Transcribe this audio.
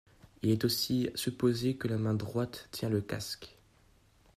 Il est aussi supposé que la main droite tient le casque.